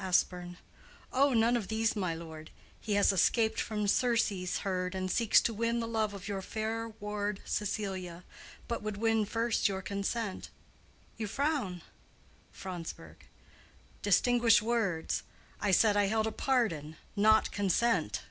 Aspern. Oh, none of these, my lord; he has escaped From Circe's herd, and seeks to win the love Of your fair ward Cecilia: but would win First your consent. You frown. Fronsberg. Distinguish words. I said I held a pardon, not consent.